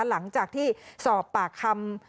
หลังจากที่สอบปากคำ